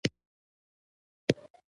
د محمودشاه له ستونزي سره مخامخ وو.